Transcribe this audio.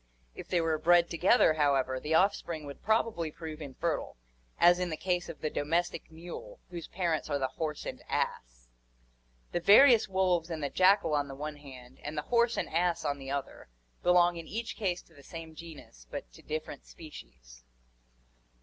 If they were bred together, however, the offspring would probably prove infertile, as in the case of the domestic mule, whose parents are the horse and ass. The various wolves and the jackal on the one hand and the horse and ass on the other belong in each case to the same genus but to different species.